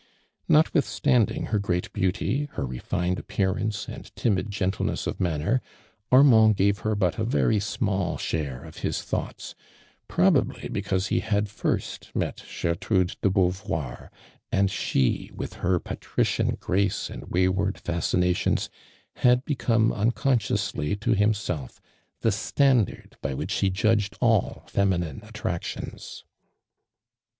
Notwithstanding her great beauty, her i e iineil appearant^e and timid gentleness of ARMAND DURAND. 31 manner, Armnnd gave her but a vorj' small share of his thoughts, probably because ho had fii stmet fJertrude de Beanvoir, mid she ^vith her patrician grace and wayward fasci nations, hflfl become unconsciously to him self, the standard by which he judge! all feminine attractions.